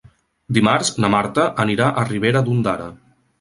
Dimarts na Marta anirà a Ribera d'Ondara.